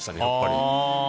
やっぱり。